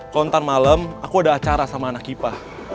kalau ntar malem aku ada acara sama anak kipah